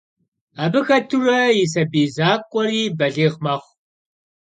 Абы хэтурэ и сабий закъуэри балигъ мэхъу.